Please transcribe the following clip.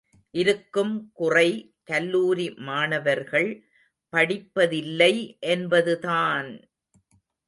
இருக்கும் குறை கல்லூரி மாணவர்கள் படிப்பதில்லை என்பதுதான்!